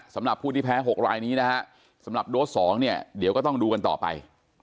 สำหรับผู้ที่แพ้๖รายนี้นะฮะสำหรับโดส๒เนี่ยเดี๋ยวก็ต้องดูกันต่อไป